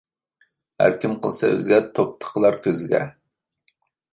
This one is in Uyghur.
ھەركىم قىلسا ئۆزىگە، توپا تىقىلار كۆزىگە.